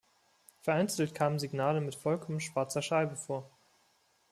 Vereinzelt kamen Signale mit vollkommen schwarzer Scheibe vor.